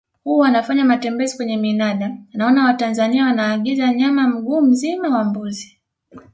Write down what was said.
Huwa nafanya matembeezi kwenye minada naona Watanzania wanaagiza nyama mguu mzima wa mbuzi